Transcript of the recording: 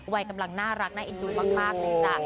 วัยกำลังน่ารักน่าเอ็นดูมากเลยจ้ะ